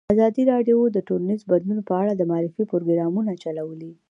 ازادي راډیو د ټولنیز بدلون په اړه د معارفې پروګرامونه چلولي.